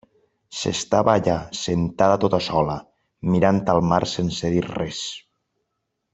S'estava allà sentada tota sola, mirant al mar sense dir res.